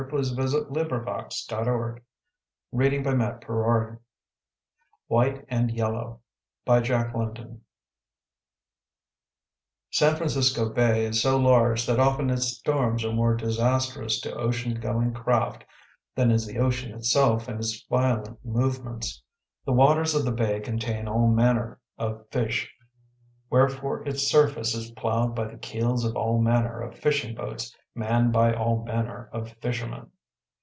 [Picture: Decorative graphic] London William Heinemann 1914 WHITE AND YELLOW SAN FRANCISCO BAY is so large that often its storms are more disastrous to ocean going craft than is the ocean itself in its violent moments. The waters of the bay contain all manner of fish, wherefore its surface is ploughed by the keels of all manner of fishing boats manned by all manner of fishermen.